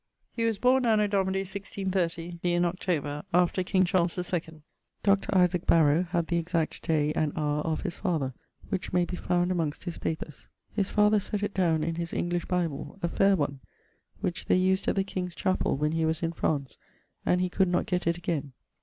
He was borne anno Dni 1630 in October after King Charles IIⁿᵈ. Dr. Isaac Barrow had the exact day and hower of his father, which may be found amongst his papers. His father sett it downe in his English bible, a faire one, which they used at the king's chapell when he was in France and he could not get it again.